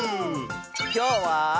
きょうは。